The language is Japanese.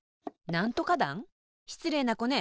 しつれいなこね。